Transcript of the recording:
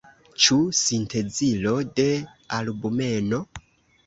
Ĉu sintezilo de albumeno?